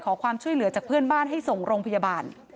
ขอความช่วยเหลือจากเพื่อนบ้านให้ส่งโรงพยาบาล